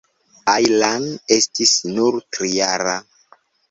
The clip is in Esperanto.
Ajlan estis nur trijara.